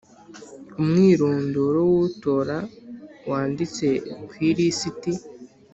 umwirondoro w utora wanditse ku ilisiti